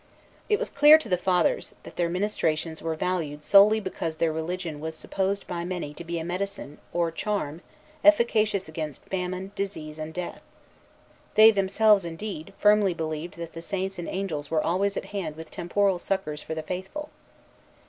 It was clear to the Fathers, that their ministrations were valued solely because their religion was supposed by many to be a "medicine," or charm, efficacious against famine, disease, and death. They themselves, indeed, firmly believed that saints and angels were always at hand with temporal succors for the faithful.